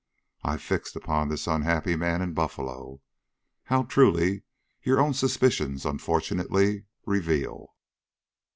I fixed upon this unhappy man in Buffalo; how truly, your own suspicions, unfortunately, reveal."